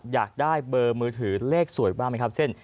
อยากได้เบอร์มือถือเลขสวยบ้างไหมครับเช่น